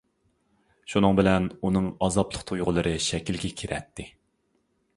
شۇنىڭ بىلەن ئۇنىڭ ئازابلىق تۇيغۇلىرى شەكىلگە كىرەتتى.